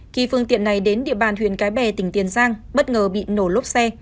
khi phương tiện này đến địa bàn huyện cái bè tỉnh tiền giang bất ngờ bị nổ lốp xe